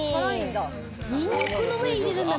ニンニクの芽入れるんだ。